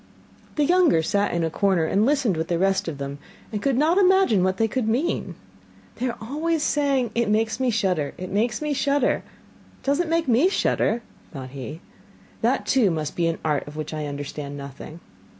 The younger sat in a corner and listened with the rest of them, and could not imagine what they could mean. 'They are always saying: "It makes me shudder, it makes me shudder!" It does not make me shudder,' thought he. 'That, too, must be an art of which I understand nothing!